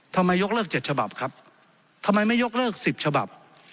ยกเลิก๗ฉบับครับทำไมไม่ยกเลิก๑๐ฉบับ